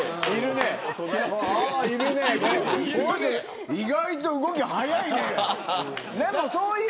この人、意外と動き速いね。